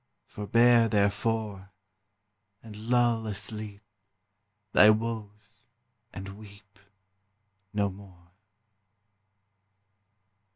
Forbear, therefore, And lull asleep Thy woes, and weep No more.